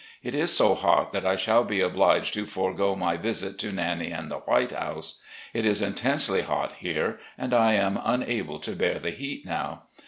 It is so hot that I shall be obliged to forego my visit to Nannie and the ' White House.' It is intensely hot here and I am unable to bear the heat now.